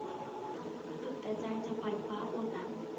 สุดแต่ใจจะไขว่คว้า - โบตั๋น